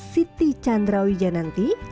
siti chandra wijananti